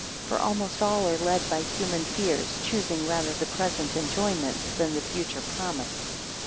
For almost all are led by human fears, choosing rather the present enjoyments, than the future promise.